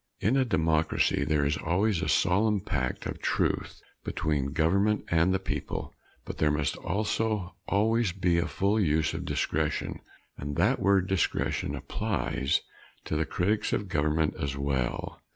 In a democracy there is always a solemn pact of truth between government and the people, but there must also always be a full use of discretion, and that word "discretion" applies to the critics of government as well.